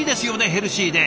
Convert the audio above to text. ヘルシーで。